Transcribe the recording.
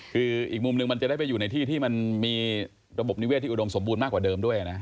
คืออีกมุมหนึ่งมันจะได้ไปอยู่ในที่ที่มันมีระบบนิเวศที่อุดมสมบูรณ์มากกว่าเดิมด้วยนะ